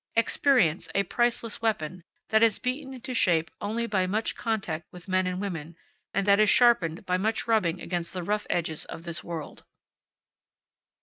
Experience, a priceless weapon, that is beaten into shape only by much contact with men and women, and that is sharpened by much rubbing against the rough edges of this world.